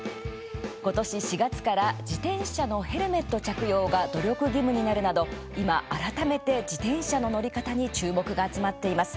今年４月から自転車のヘルメット着用が努力義務になるなど今、改めて自転車の乗り方に注目が集まっています。